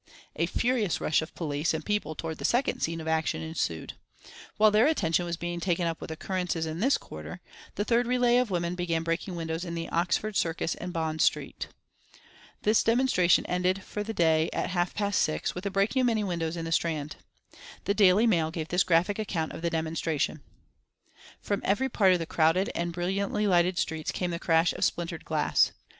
A furious rush of police and people towards the second scene of action ensued. While their attention was being taken up with occurrences in this quarter, the third relay of women began breaking the windows in Oxford Circus and Bond Street. The demonstration ended for the day at half past six with the breaking of many windows in the Strand. The Daily Mail gave this graphic account of the demonstration: From every part of the crowded and brilliantly lighted streets came the crash of splintered glass.